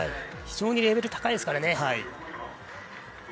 非常にレベル高いですからね。